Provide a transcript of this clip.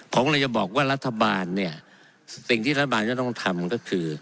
ผมเลยจะบอกว่ารัฐบาลเนี่ยสิ่งที่รัฐบาลจะต้องทำก็คือ